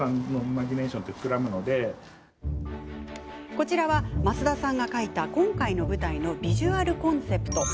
こちらは、増田さんが描いた今回の舞台のビジュアルコンセプト。